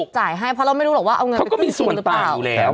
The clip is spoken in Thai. จ่ายให้เพราะเราไม่รู้หรอกว่าเอาเงินไปขึ้นทีหรือเปล่า